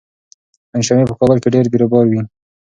پنجشنبه په کابل کې ډېر بېروبار وي.